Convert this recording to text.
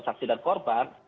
saksi dan korban